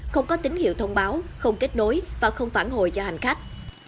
không có tín hiệu thông báo không kết nối và không phản hồi cho hành khách